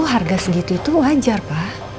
harga segitu itu wajar pak